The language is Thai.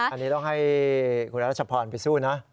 อันนี้ต้องให้คุณรัชพรไปสู้นะ